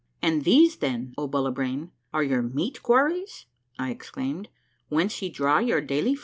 " And these, then, O Bullibrain, are your meat quarries," I exclaimed, " whence ye draw your daily food